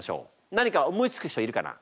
何か思いつく人いるかな？